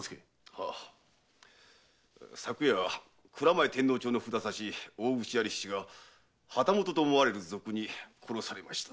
はっ昨夜蔵前天王町の札差・大口屋利七が旗本と思われる賊に殺されました。